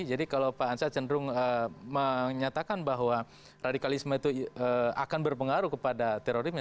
jadi kalau pak ansat cenderung menyatakan bahwa radikalisme itu akan berpengaruh kepada terorisme